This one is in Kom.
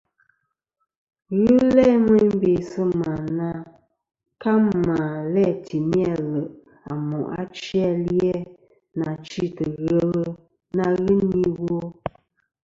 Ghɨ n-læ meyn bè sɨ̂ mà na ka mà læ̂ tìmi aleʼ à mòʼ achi a li-a, nà chîtɨ̀ ghelɨ na ghɨ ni iwo.